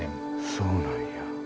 そうなんや。